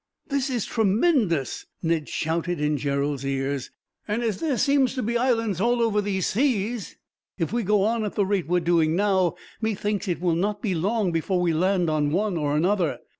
"This is tremendous," Ned shouted in Gerald's ears, "and as there seem to be islands all over these seas, if we go on at the rate we are doing now, methinks that it will not be long before we land on one or another.